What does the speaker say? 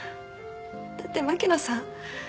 だって牧野さん